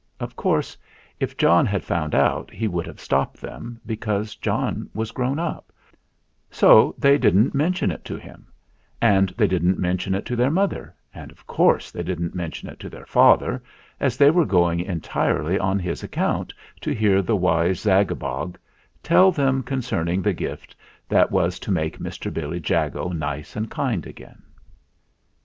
Of course, if John had found out he would have stopped them, because John was grown up; so they didn't mention it to him; and they didn't mention it to their mother, and of course they didn't men tion it to their father, as they were going en tirely on his account to hear the wise Zagabog tell them concerning the gift that was to make Mr. Billy Jago nice and kind again.